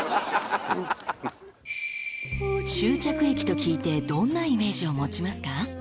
［終着駅と聞いてどんなイメージを持ちますか？］